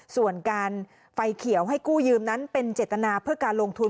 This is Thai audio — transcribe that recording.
ส่วนการไฟเขียวให้กู้ยืมนั้นเป็นเจตนาเพื่อการลงทุน